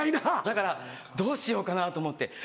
だからどうしようかなと思って。